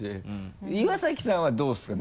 岩崎さんはどうですか？